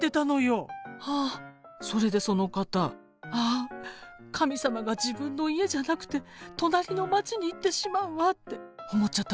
それでその方ああ神様が自分の家じゃなくて隣の町に行ってしまうわって思っちゃったらしくて。